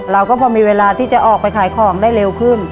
เราก็พอมีเวลาที่จะออกไปขายของได้เร็วขึ้น